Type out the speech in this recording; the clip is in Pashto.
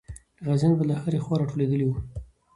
غازیان به له هرې خوا راټولېدلې وو.